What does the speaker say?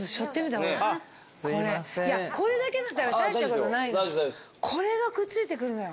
これだけだったら大したことないこれがくっついてくるのよ。